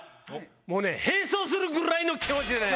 もうね、並走するぐらいの気持ちでね。